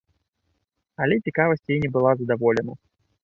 Але цікавасць яе не была задаволена.